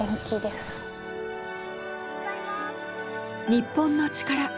『日本のチカラ』